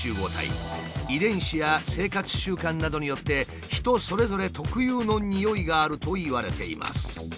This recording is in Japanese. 遺伝子や生活習慣などによって人それぞれ特有のにおいがあるといわれています。